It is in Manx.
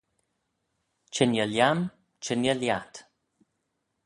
Chengey lhiam, chengey lhiat